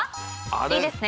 いいですね？